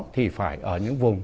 thì phải ở những vùng